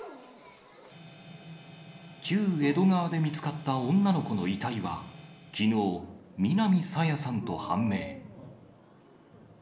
旧江戸川で見つかった女の子の遺体は、きのう、南朝芽さんと判明。